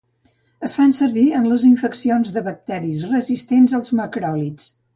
Es fan servir en les infeccions de bacteris resistents als macròlids.